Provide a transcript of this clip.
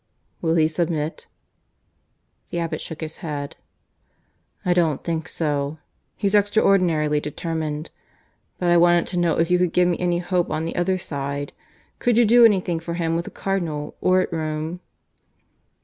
"Will he submit?" The abbot shook his head. "I don't think so. He's extraordinarily determined. But I wanted to know if you could give me any hope on the other side. Could you do anything for him with the Cardinal, or at Rome?"